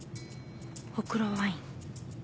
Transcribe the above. ほくろワイン